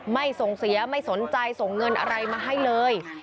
ไม่ส่งเสียไม่สนใจส่งเงินอะไรมาให้เลย